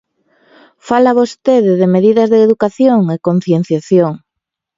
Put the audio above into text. Fala vostede de medidas de educación e concienciación.